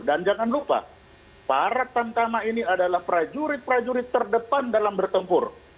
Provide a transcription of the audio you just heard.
dan jangan lupa para tantama ini adalah prajurit prajurit terdepan dalam bertempur